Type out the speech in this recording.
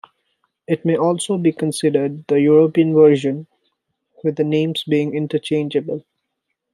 It may also be considered the European version, with the names being interchangeable.